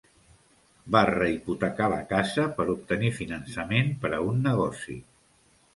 Va rehipotecar la casa per obtenir finançament per a un negoci.